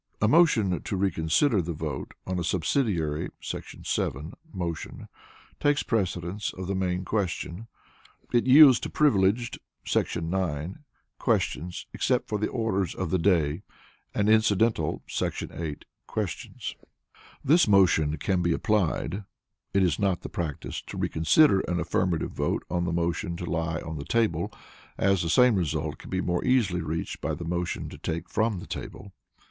A motion to reconsider the vote on a Subsidiary [§ 7] motion takes precedence of the main question. It yields to Privileged [§ 9] questions (except for the Orders of the Day), and Incidental [§ 8] questions. This motion can be applied* [It is not the practice to reconsider an affirmative vote on the motion to lie on the table, as the same result can be more easily reached by the motion to take from the table.